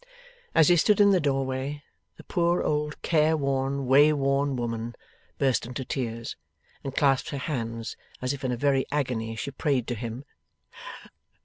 As he stood in the doorway, the poor old careworn wayworn woman burst into tears, and clasped her hands, as if in a very agony she prayed to him.